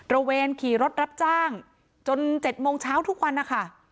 ระเวนขี่รถรับจ้างจน๗โมงเช้าทุกวันนะคะ